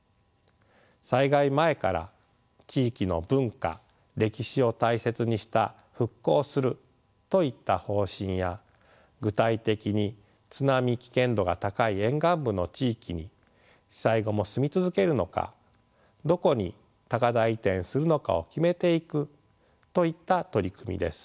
災害前から地域の文化歴史を大切にした復興をするといった方針や具体的に津波危険度が高い沿岸部の地域に被災後も住み続けるのかどこに高台移転するのかを決めていくといった取り組みです。